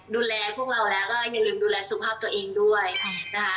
ดูแลพวกเราแล้วก็อย่าลืมดูแลสุขภาพตัวเองด้วยนะคะ